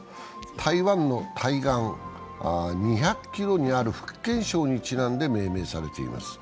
台湾の対岸２００ｋｍにあるところ福建省にちなんで命名されています。